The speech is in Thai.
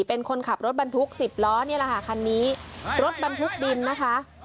เป็นคนขับรถบรรทุกสิบล้อนี่แหละค่ะคันนี้รถบรรทุกดินนะคะ